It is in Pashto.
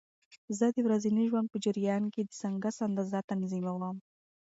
زه د ورځني ژوند په جریان کې د سنکس اندازه تنظیموم.